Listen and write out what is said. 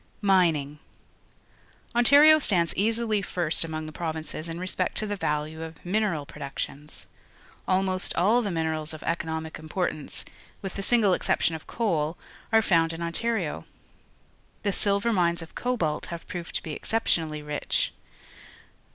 Mining. — Ontario stands easily first among the provinces in respect to the value of mineral productions. Almost all the minerals of economic importance, with the single excep tion of coal, are found in Ontario. The silver mines of CobqU have proved to be exceptionally rich.